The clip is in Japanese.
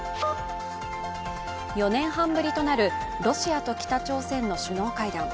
４年半ぶりとなるロシアと北朝鮮の首脳会談。